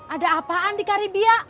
ada apaan di karibia